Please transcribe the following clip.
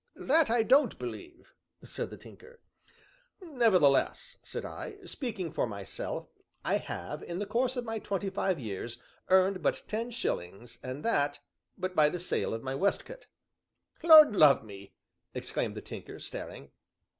"That, I don't believe," said the Tinker. "Nevertheless," said I, "speaking for myself, I have, in the course of my twenty five years, earned but ten shillings, and that but by the sale of my waistcoat." "Lord love me!" exclaimed the Tinker, staring.